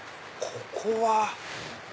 ここは。